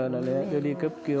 nó lấy đưa đi cấp cứu